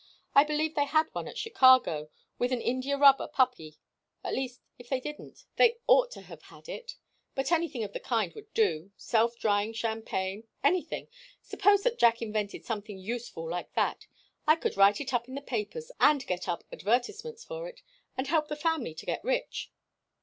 I believe they had one at Chicago, with an india rubber puppy, at least, if they didn't, they ought to have had it, but anything of the kind would do self drying champagne anything! Suppose that Jack invented something useful like that, I could write it up in the papers, and get up advertisements for it, and help the family to get rich."